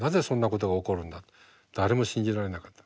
誰も信じられなかった。